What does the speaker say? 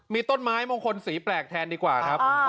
มีต้นไม้มงคลสีแปลกแทนดีกว่าครับ